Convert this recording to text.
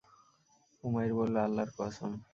উমাইর বলল, আল্লাহর কসম!